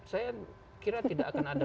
saya kira tidak akan ada